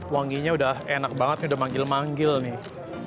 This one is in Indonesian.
wanginya udah enak banget udah manggil manggil nih